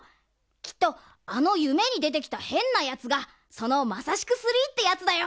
きっとあのゆめにでてきたへんなやつがその「マサシク３」ってやつだよ。